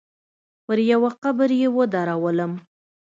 پر يوه قبر يې ودرولم.